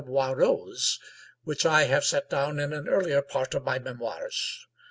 Boisrose, which I have set down in an earlier part ot my memoirs.